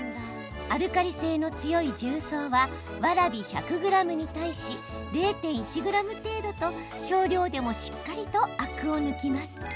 アルカリ性の強い重曹はわらび１００ｇに対し０．１ｇ程度と少量でもしっかりとアクを抜きます。